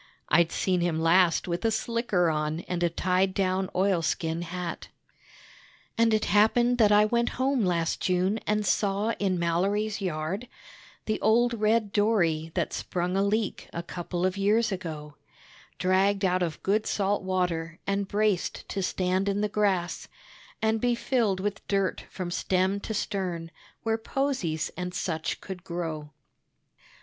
(I'd seen him last with a slicker on and a tied down oilskin hat.) And it happened that I went home last June, and saw in Mallory's yard The old red dory that sprung a leak a couple of years ago, Dragged out of good salt water and braced to stand in the grass And be filled with dirt from stem to stern, where posies and such could grow.